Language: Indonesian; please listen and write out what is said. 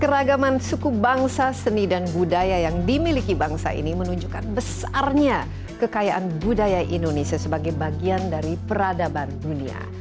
keragaman suku bangsa seni dan budaya yang dimiliki bangsa ini menunjukkan besarnya kekayaan budaya indonesia sebagai bagian dari peradaban dunia